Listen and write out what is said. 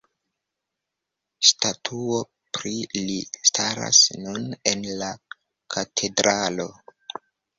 Statuo pri li staras nun en la katedralo.